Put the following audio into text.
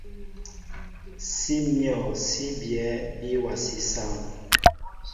Sí myɔ̂ sí ipí byɛ̂ ḿbí awasí sááŋ.